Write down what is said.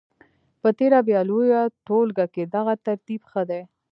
په تېره بیا په لویه ټولګه کې دغه ترتیب ښه دی.